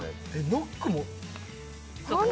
ノックも？